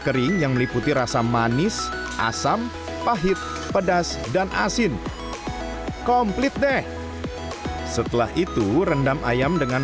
kering yang meliputi rasa manis asam pahit pedas dan asin komplit deh setelah itu rendam ayam dengan